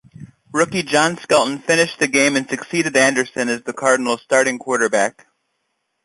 Rookie John Skelton finished the game and succeeded Anderson as the Cardinals' starting quarterback.